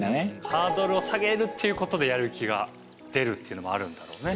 ハードルを下げるっていうことでやる気が出るっていうのもあるんだろうね。